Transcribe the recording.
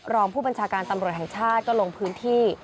รองผู้บัญชาการตำรวจแห่งชาติก็ลงพื้นที่